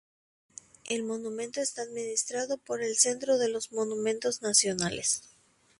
El monumento está administrado por el Centro de los Monumentos nacionales.